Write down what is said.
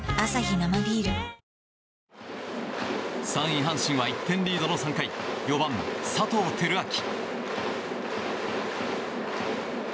３位、阪神は１点リードの３回４番、佐藤輝明。